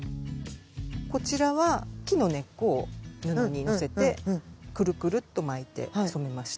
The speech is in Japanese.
こちらは木の根っこを布にのせてくるくるっと巻いて染めました。